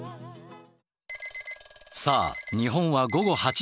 さあ日本は午後８時３０分。